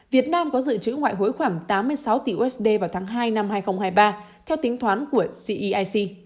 việt nam có dự trữ ngoại hối khoảng tám mươi sáu tỷ usd vào tháng hai năm hai nghìn hai mươi ba theo tính toán của cec